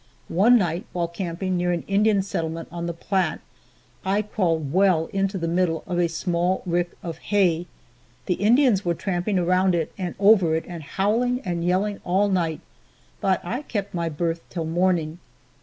One night, while camping near an Indian settlement on the Platte, I crawled well into the middle of a small rick of hay. The Indians were tramping around it and over it and howling and yelling all night, but I kept my berth till morning.